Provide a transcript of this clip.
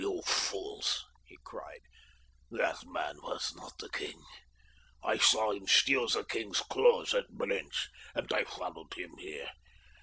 "You fools," he cried. "That man was not the king. I saw him steal the king's clothes at Blentz and I followed him here.